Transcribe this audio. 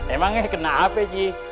emangnya kena apa ji